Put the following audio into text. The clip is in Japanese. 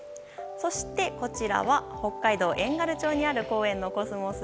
そして、こちらは北海道遠軽町にある公園のコスモス。